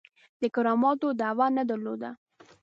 د کراماتو دعوه نه درلوده.